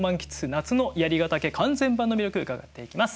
夏の槍ヶ岳完全版」の魅力伺っていきます。